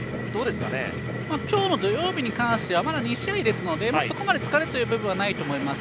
今日の土曜日に関してはまだ２試合なのでまだ疲れというのはないと思います。